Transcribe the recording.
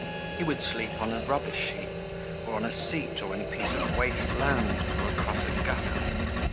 He would sleep on a rubbish heap, or on a seat, or in a piece of waste land, or across a gutter.